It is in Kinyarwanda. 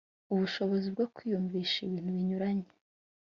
ubushobozi bwo kwiyumvisha ibintu binyuranye